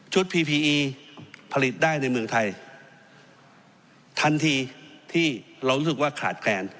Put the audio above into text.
พีพีอีผลิตได้ในเมืองไทยทันทีที่เรารู้สึกว่าขาดแคลน